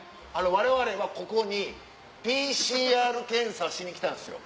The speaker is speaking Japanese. われわれはここにＰＣＲ検査しに来たんですよ。